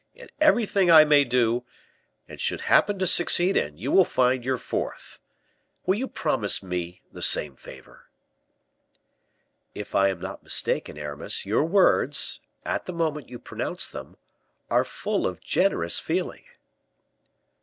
In everything I may do, and should happen to succeed in, you will find your fourth. Will you promise me the same favor?" "If I am not mistaken, Aramis, your words at the moment you pronounce them are full of generous feeling."